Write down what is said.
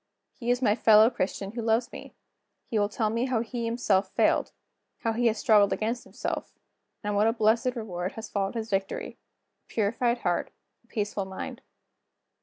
He is my fellow Christian who loves me. He will tell me how he has himself failed; how he has struggled against himself; and what a blessed reward has followed his victory a purified heart, a peaceful mind."